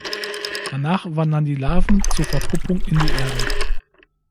Danach wandern die Larven zur Verpuppung in die Erde.